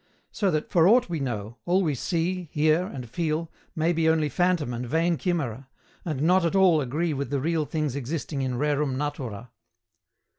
So that, for aught we know, all we see, hear, and feel may be only phantom and vain chimera, and not at all agree with the real things existing in rerum natura.